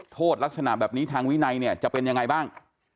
โทษลักษณะแบบนี้ทางวินัยเนี่ยจะเป็นยังไงบ้าง